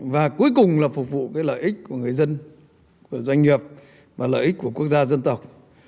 và cuối cùng là phục vụ cái lợi ích của người dân của doanh nghiệp và lợi ích của quốc gia dân tộc